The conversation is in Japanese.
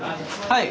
はい。